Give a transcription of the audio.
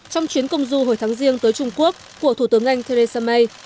trong chuyến công du hồi tháng riêng tới trung quốc của thủ tướng anh theresa may